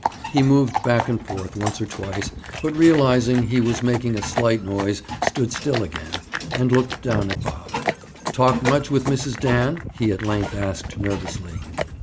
He moved back and forth once or twice, but realizing he was making a slight noise, stood still again, and looked down at Bob. "Talk much with Mrs. Dan?" he at length asked nervously.